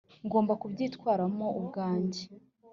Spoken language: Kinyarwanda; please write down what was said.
ngomba kubyitwaramo ubwanjye.